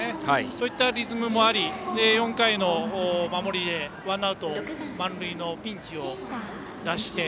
そういったリズムもあり４回の守りでワンアウト満塁のピンチを脱して。